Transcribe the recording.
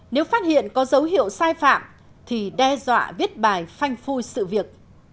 nếu phát hiện có dấu hiệu sai phạm thì đe dọa viết bài phanh phui sự việc